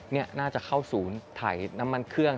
นี่น่าจะเข้าศูนย์ถ่ายน้ำมันเครื่อง